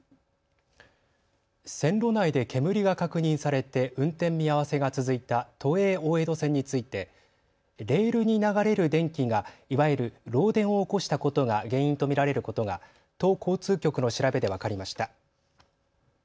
線路内で煙が確認されて運転見合わせが続いた都営大江戸線についてレールに流れる電気がいわゆる漏電を起こしたことが原因と見られることが都交通局の調べで分かりました。